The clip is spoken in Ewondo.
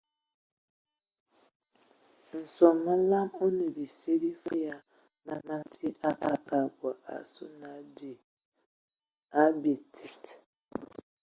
Nsom məlam o nə bisye bifəg ya man bəti a kad bɔ asu na abitsid.